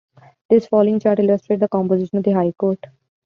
This following chart illustrates the composition of the High Court.